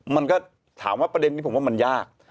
มันก็ถามว่าประเด็นนี้ผมว่ามันยาก